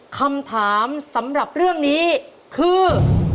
คำถามสำหรับเรื่องนี้คือ